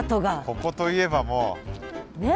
ここといえばもう。ねえ。